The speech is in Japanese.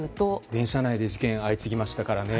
電車内で事件が相次ぎましたからね。